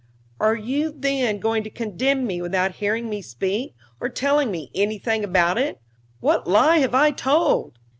"Are you, then, going to condemn me without hearing me speak, or telling me anything about it? What lie have I told?"